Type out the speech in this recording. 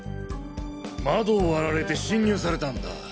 窓を割られて侵入されたんだ。